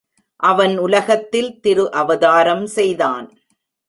அவன் உலகத்தில் திரு அவதாரம் செய்தான்.